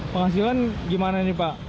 penghasilan bagaimana ini pak